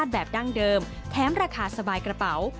แถมราคาสบายกระเป๋า